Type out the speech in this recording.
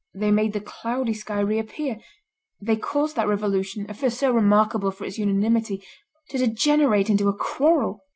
They made the cloudy sky reappear. They caused that revolution, at first so remarkable for its unanimity, to degenerate into a quarrel.